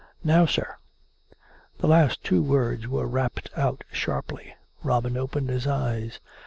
Now, sir." The last two words were rapped out sharply. Robin opened his eyes.